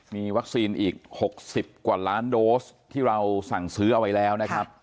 มีวัคซีนอีก๖๐กว่าล้านโดสที่เราสั่งซื้อเอาไว้แล้วนะครับ